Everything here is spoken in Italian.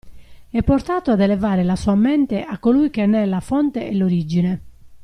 È portato ad elevare la sua mente a colui che ne è la fonte e l'origine.